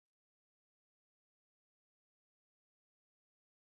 I tqerrbed ugar akken ad twalid?